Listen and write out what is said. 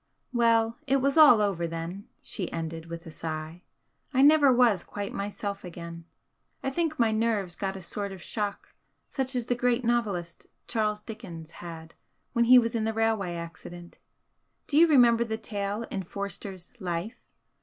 "Well, it was all over then," she ended, with a sigh, "I never was quite myself again I think my nerves got a sort of shock such as the great novelist, Charles Dickens had when he was in the railway accident you remember the tale in Forster's 'Life'?